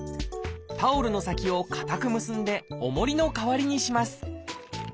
タオルの先を固く結んでおもりの代わりにします